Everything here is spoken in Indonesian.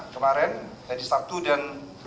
kemarin dari sabtu dan